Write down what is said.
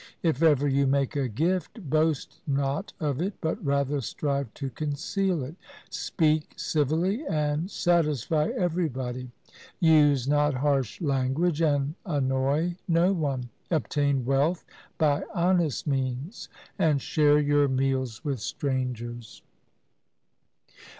If ever you make a gift, boast not of it, but rather strive to conceal it. Speak civilly and satisfy everybody. Use not harsh language and annoy no one. Obtain wealth by honest means and share your meals with strangers.